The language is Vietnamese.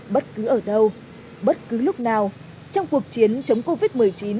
bất cứ ở đâu bất cứ lúc nào trong cuộc chiến chống covid một mươi chín